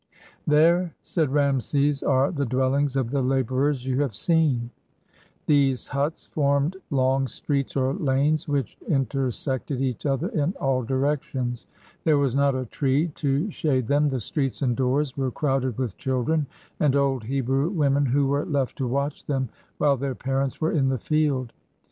"There," said Rameses, "are the dwellings of the laborers you have seen." These huts formed long streets or lanes which inter sected each other in all directions. There was not a tree to shade them. The streets and doors were crowded with children, and old Hebrew women who were left to watch them while their parents were in the field.